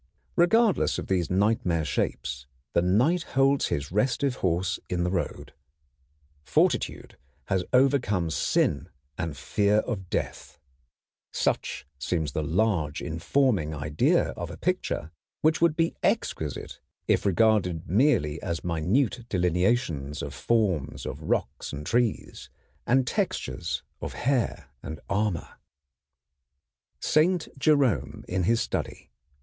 Regardless of these nightmare shapes, the Knight holds his restive horse in the road. Fortitude has overcome sin and fear of death. Such seems the large, informing idea of a picture which would be exquisite if regarded merely as minute delineations of forms of rocks and trees, and textures of hair and armor. [Illustration: SAINT JEROME IN HIS STUDY, by Dürer] SAINT JEROME IN HIS STUDY.